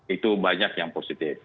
itu banyak yang positif